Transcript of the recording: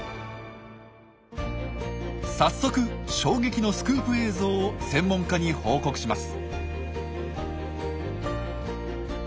早速衝撃のスクープ映像を専門家に報告します。